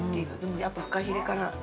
やっぱフカヒレから。